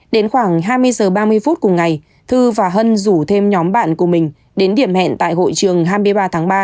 đến khoảng hai mươi h ba mươi phút cùng ngày thư và hân rủ thêm nhóm bạn của mình đến điểm hẹn tại hội trường hai mươi ba tháng ba